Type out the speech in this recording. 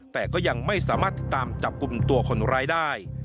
แต่ก็ยังไม่สามารถติดตามจับกลุ่มตัวคนร้ายได้